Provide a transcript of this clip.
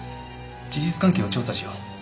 事実関係を調査しよう。